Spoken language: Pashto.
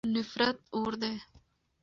نفرت اور دی.